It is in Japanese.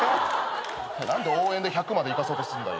何で応援で１００までいかそうとすんだよ。